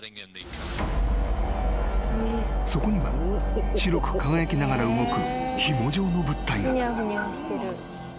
［そこには白く輝きながら動くひも状の物体が］